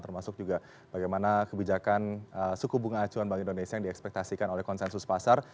termasuk juga bagaimana kebijakan suku bunga acuan bank indonesia yang diekspektasikan oleh konsensus pasar